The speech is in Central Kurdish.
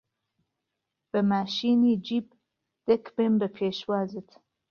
به ماشینی جیب، دهک بێم به پێشوازت